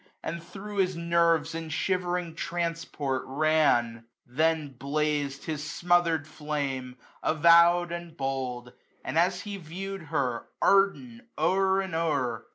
And thro' his nerves in shivering transport ran ? Then blaz'd his smotherM flame, avowM, and bold j And as he viewed her, ardent, o*er and o*er.